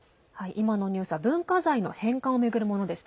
今のニュースは文化財の返還を巡るものでした。